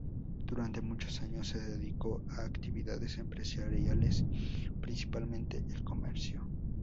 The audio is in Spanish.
Durante muchos años se dedicó a actividades empresariales, principalmente el comercio.